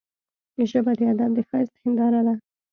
ژبه د ادب د ښايست هنداره ده